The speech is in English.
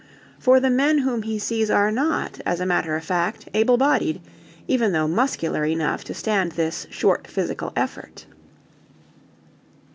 For the men whom he sees are not, as a matter of fact, able bodied, even though muscular enough to stand this short physical effort.